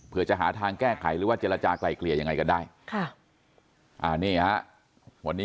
เผื่อจะหาทางแก้ไขหรือว่าเจรจากลายเกลี่ยยังไงก็ได้